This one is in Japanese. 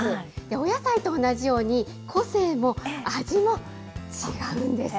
お野菜と同じように、個性も味も違うんです。